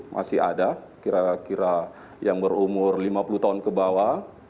masih ada kira kira yang berumur lima puluh tahun ke bawah